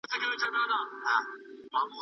د ابدالیانو تاريخي بحث لا ډېرې څېړنې ته اړتيا لري.